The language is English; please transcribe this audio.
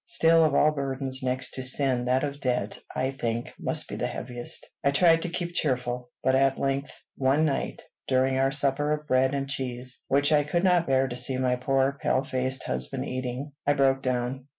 Still, of all burdens, next to sin, that of debt, I think, must be heaviest. I tried to keep cheerful; but at length, one night, during our supper of bread and cheese, which I could not bear to see my poor, pale faced husband eating, I broke down.